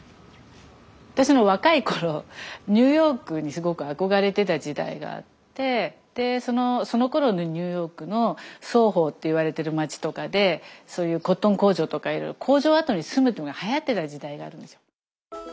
私が若い頃ニューヨークにすごく憧れてた時代があってそのころのニューヨークのソーホーっていわれてる街とかでコットン工場とか工場跡に住むというのがはやってた時代があるんですよ。